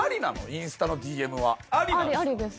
インスタのＤＭはありですありです